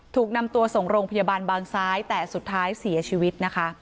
ถูกนำตัวส่งโรงพยาบาลบางซ้ายแต่สุดท้ายเสียชีวิตนะคะ